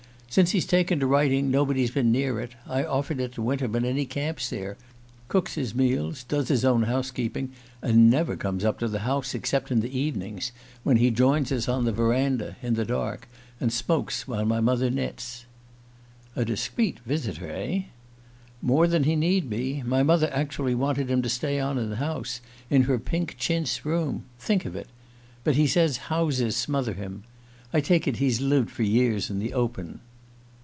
"Since he's taken to writing nobody's been near it. I offered it to Winterman, and he camps there cooks his meals, does his own house keeping, and never comes up to the house except in the evenings, when he joins us on the verandah, in the dark, and smokes while my mother knits." "A discreet visitor, eh?" "More than he need be. My mother actually wanted him to stay on in the house in her pink chintz room. Think of it! But he says houses smother him. I take it he's lived for years in the open."